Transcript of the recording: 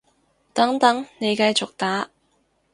等等，你繼續打